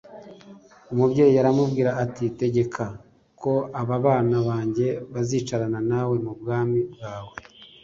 Umubyeyi aramusubiza ati: «Tegeka ko aba bana banjye bazicarana nawe mu bwami bwawe,